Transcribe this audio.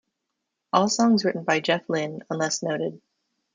All songs written by Jeff Lynne, unless noted.